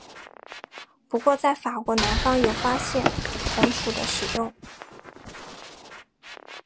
不过在法国南方有发现红赭的使用。